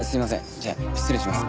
じゃあ失礼します。